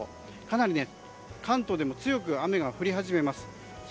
かなり関東でも強く雨が降り始めます。